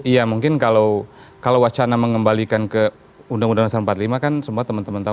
iya mungkin kalau wacana mengembalikan ke undang undang dasar empat puluh lima kan semua teman teman tahu